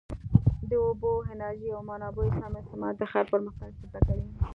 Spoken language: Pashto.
د اوبو، انرژۍ او منابعو سم استعمال د ښار پرمختګ چټکوي.